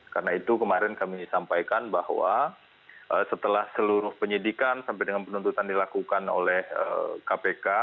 karena itu kemarin kami disampaikan bahwa setelah seluruh penyidikan sampai dengan penuntutan dilakukan oleh kpk